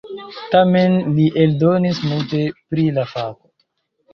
Tamen li eldonis multe pri la fako.